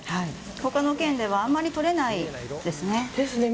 他の県ではあまりとれないですね。